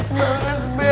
aku udah gak puas